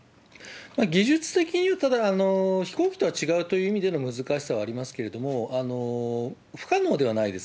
技術的には、ただ、飛行機とは違うという意味での難しさはありますけれども、不可能ではないです。